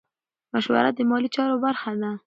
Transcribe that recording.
مشوره د مالي چارو برخه ده.